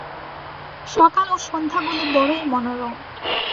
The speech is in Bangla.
সকাল ও সন্ধ্যাগুলি বড়ই মনোরম।